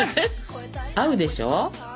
合うでしょ？